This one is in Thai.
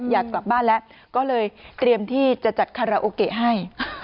อยากกลับบ้านแล้วก็เลยเตรียมที่จะจัดคาราโอเกะให้